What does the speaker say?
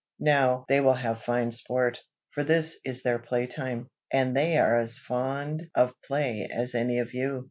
Now they will have fine sport, for this is their play time, and they are as fond of play as any of you."